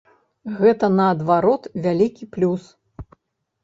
Гэта, наадварот, вялікі плюс.